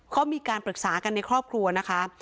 เขามีการปรึกษากันในครอบครัวนะคะ